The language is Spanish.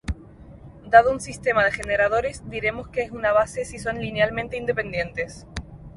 Dado un sistema de generadores, diremos que es una base si son linealmente independientes.